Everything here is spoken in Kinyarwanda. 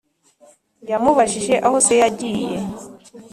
Yamubajije aho se yagiye